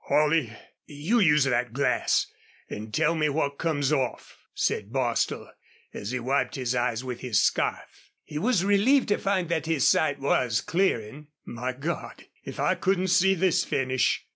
"Holley, you use the glass an' tell me what comes off," said Bostil, as he wiped his eyes with his scarf. He was relieved to find that his sight was clearing. "My God! if I couldn't see this finish!"